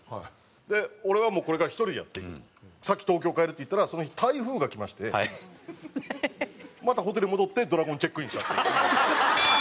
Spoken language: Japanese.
で「俺はもうこれから１人や」って。「先東京帰る」って言ったらその日台風が来まして。またホテル戻ってドラゴン・チェックインした。